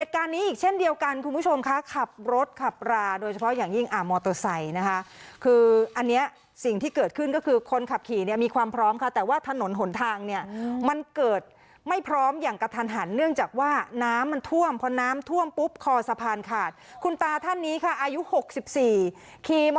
เหตุการณ์นี้อีกเช่นเดียวกันคุณผู้ชมค่ะขับรถขับราโดยเฉพาะอย่างยิ่งมอเตอร์ไซค์นะคะคืออันนี้สิ่งที่เกิดขึ้นก็คือคนขับขี่เนี่ยมีความพร้อมค่ะแต่ว่าถนนหนทางเนี่ยมันเกิดไม่พร้อมอย่างกระทันหันเนื่องจากว่าน้ำมันท่วมพอน้ำท่วมปุ๊บคอสะพานขาดคุณตาท่านนี้ค่ะอายุ๖๔ขี่ม